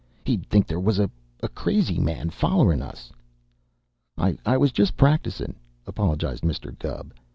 He'd think there was a a crazy man follerin' us." "I was just practicin'," apologized Mr. Gubb.